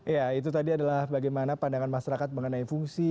ya itu tadi adalah bagaimana pandangan masyarakat mengenai fungsi